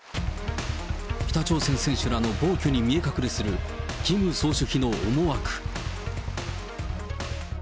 北朝鮮選手らの暴挙に見え隠れする、キム総書記の思惑。